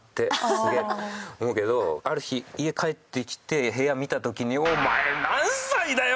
すげえ思うけどある日家帰ってきて部屋見た時にお前何歳だよ！